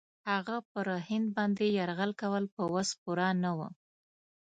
هغه پر هند باندي یرغل کول په وس پوره نه وه.